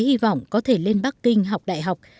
hy vọng có thể lên bắc kinh học đại học